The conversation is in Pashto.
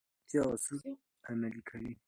مور د روغتیا اصول عملي کوي.